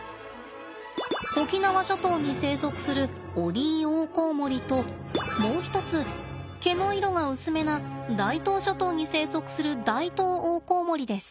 沖縄諸島に生息するオリイオオコウモリともう一つ毛の色が薄めな大東諸島に生息するダイトウオオコウモリです。